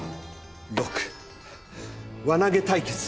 「わなげ対決」